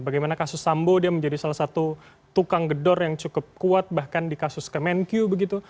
bagaimana kasus sambo dia menjadi salah satu tukang gedor yang cukup kuat bahkan di kasus kemenkyu begitu